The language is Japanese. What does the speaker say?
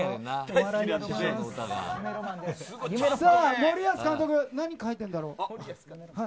森保監督何を書いてるんだろう？